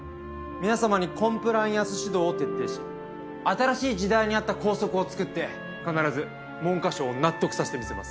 皆様にコンプライアンス指導を徹底し新しい時代に合った校則を作って必ず文科省を納得させてみせます。